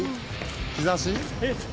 日差し？」